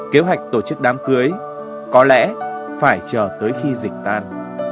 kế hoạch tổ chức đám cưới có lẽ phải chờ tới khi dịch tan